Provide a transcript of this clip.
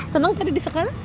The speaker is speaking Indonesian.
seneng tadi di sekolah